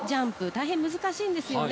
大変難しいんですね。